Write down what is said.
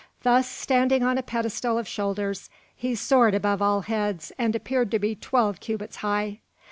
Thus standing on a pedestal of shoulders, he soared above all heads and appeared to be twelve cubits high.